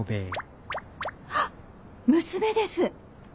あっ娘です。